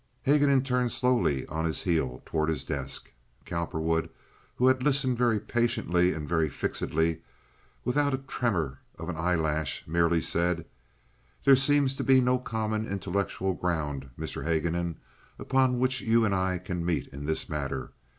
Haguenin turned slowly on his heel toward his desk. Cowperwood, who had listened very patiently and very fixedly, without a tremor of an eyelash, merely said: "There seems to be no common intellectual ground, Mr. Haguenin, upon which you and I can meet in this matter.